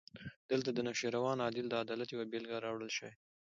دلته د نوشیروان عادل د عدالت یوه بېلګه راوړل شوې.